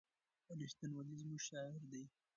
رښتینولي زموږ شعار دی.